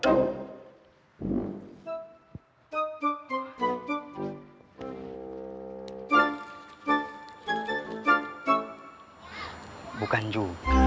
kayaknya bukan ini